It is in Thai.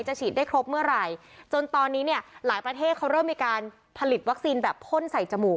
ฉีดได้ครบเมื่อไหร่จนตอนนี้เนี่ยหลายประเทศเขาเริ่มมีการผลิตวัคซีนแบบพ่นใส่จมูก